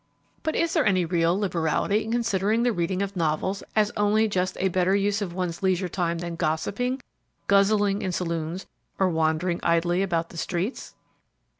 But is there any real liberality in considering the reading of novels as only just a better use of one's leisure than gossiping, guzzling in saloons or wandering idly about the streets?